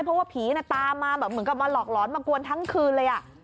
เพราะว่าผีตามมาแบบเหมือนกับมาหลอกหลอนมากวนทั้งคืนเลย